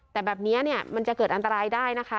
แต่แบบนี้เนี่ยมันจะเกิดอันตรายได้นะคะ